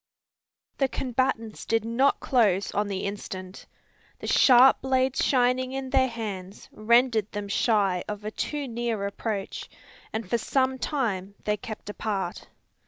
The combatants did not close on the instant. The sharp blades shining in their hands rendered them shy of a too near approach, and for some time they kept apart.